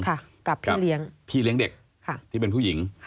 กับพี่เลี้ยงเด็กที่เป็นผู้หญิง